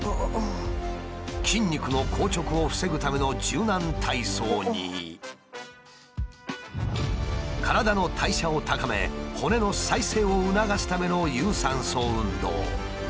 筋肉の硬直を防ぐための柔軟体操に体の代謝を高め骨の再生を促すための有酸素運動。